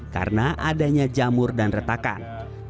karena adanya jamur dan retakan